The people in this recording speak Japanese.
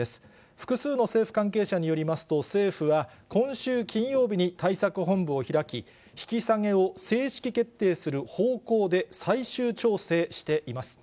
複数の政府関係者によりますと、政府は今週金曜日に対策本部を開き、引き下げを正式決定する方向で、最終調整しています。